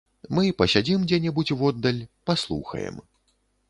Мы пасядзім дзе-небудзь воддаль, паслухаем.